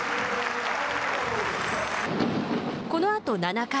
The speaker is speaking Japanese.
このあと７回。